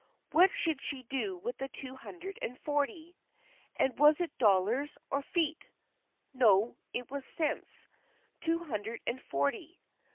What should she do with the two hundred and forty? And was it dollars, or feet ? No, it was cents. Two hundred and forty.